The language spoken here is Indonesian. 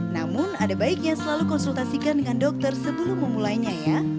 namun ada baiknya selalu konsultasikan dengan dokter sebelum memulainya ya